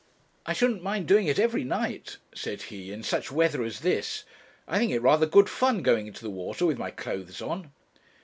'I shouldn't mind doing it every night,' said he, 'in such weather as this. I think it rather good fun going into the water with my clothes on.'